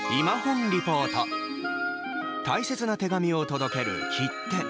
大切な手紙を届ける切手。